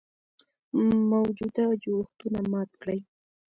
موجوده جوړښتونه مات کړي.